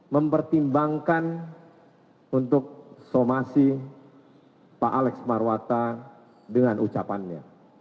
mempertimbangkan untuk somasi pak alex marwata dengan ucapannya